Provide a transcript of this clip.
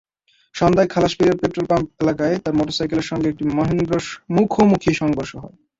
সন্ধ্যায় খালাসপীরের পেট্রলপাম্প এলাকায় তাঁর মোটরসাইকেলের সঙ্গে একটি মাহেন্দ্রর মুখোমুখি সংঘর্ষ হয়।